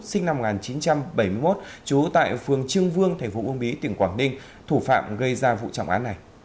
sinh năm một nghìn chín trăm bảy mươi một trú tại phường trương vương tp uông bí tỉnh quảng ninh thủ phạm gây ra vụ trọng án này